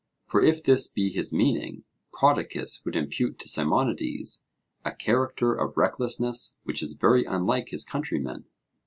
For if this be his meaning, Prodicus would impute to Simonides a character of recklessness which is very unlike his countrymen.